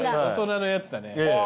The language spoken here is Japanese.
大人のやつだね。